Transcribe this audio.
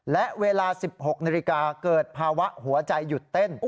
และเวลา๑๖นาฬิกาเกิดภาวะหัวใจหยุดเต้น